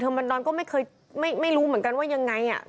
มันนอนก็ไม่เคยไม่รู้เหมือนกันว่ายังไง